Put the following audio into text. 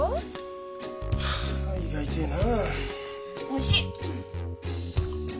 おいしい！